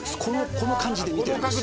この感じで見てるんです